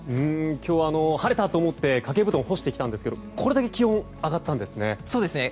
今日は晴れたと思って掛け布団を干してきましたがこれだけ気温上がったんですね。